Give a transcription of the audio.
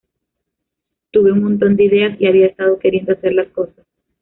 Tuve un montón de ideas y había estado queriendo hacer las cosas.